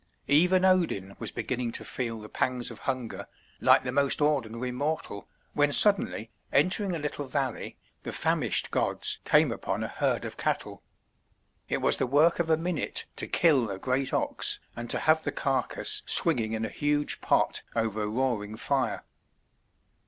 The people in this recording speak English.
Even Odin was beginning to feel the pangs of hunger, like the most ordinary mortal, when suddenly, entering a little valley, the famished gods came upon a herd of cattle. It was the work of a minute to kill a great ox and to have the carcass swinging in a huge pot over a roaring fire.